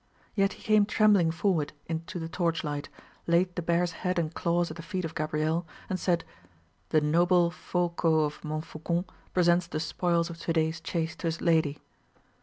Yet he came trembling forward into the torch light, laid the bear's head and claws at the feet of Gabrielle, and said, "The noble Folko of Montfaucon presents the spoils of to day's chase to his lady."